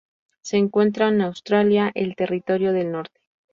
Se encuentra en Australia: el Territorio del Norte.